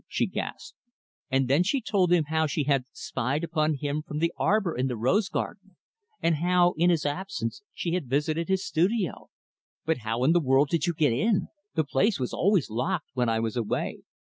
she gasped. And then she told him how she had spied upon him from the arbor in the rose garden; and how, in his absence, she had visited his studio. "But how in the world did you get in? The place was always locked, when I was away."